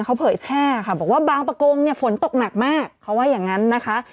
เขาเผยแพร่ค่ะบอกว่าบางประกงเนี่ยฝนตกหนักมากเขาว่าอย่างนั้นนะคะ